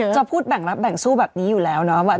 จะพูดแบ่งรับแบ่งสู้แบบนี้อยู่แล้วเนาะ